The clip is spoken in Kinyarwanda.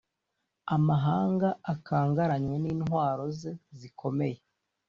amahanga akangaranywe n’intwaro ze zikomeye,